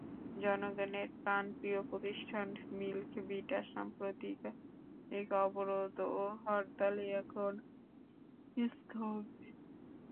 জনগণের প্রাণপ্রিয় প্রতিষ্ঠান মিল্ক ভিটা সাম্প্রতিক অবরোধ ও হরতালে এখন স্থবির।